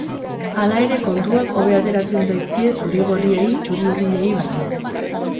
Hala ere, kontuak hobe ateratzen zaizkie zurigorriei, txuri-urdinei baino.